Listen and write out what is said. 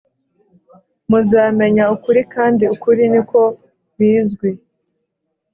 Muzamenya ukuri kandi ukuri ni ko bizwi